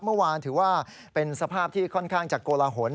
เมื่อวานถือว่าเป็นสภาพที่ค่อนข้างจะโกลหน